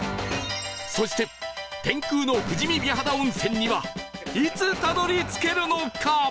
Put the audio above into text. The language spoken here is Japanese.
そして天空の富士見美肌温泉にはいつたどり着けるのか？